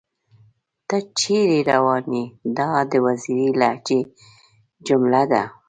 تۀ چېرې راوون ئې ؟ دا د وزيري لهجې جمله ده